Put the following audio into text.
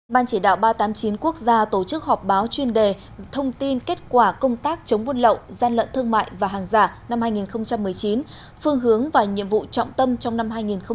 ban chỉ đạo ba trăm tám mươi chín quốc gia tổ chức họp báo chuyên đề thông tin kết quả công tác chống buôn lậu gian lận thương mại và hàng giả năm hai nghìn một mươi chín phương hướng và nhiệm vụ trọng tâm trong năm hai nghìn hai mươi